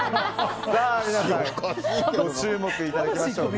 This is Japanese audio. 皆さんご注目いただきましょう。